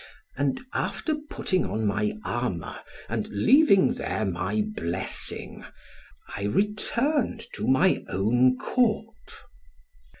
And after putting on my armour, and leaving there my blessing, I returned to my own Court.